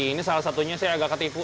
ini salah satunya saya agak ketipu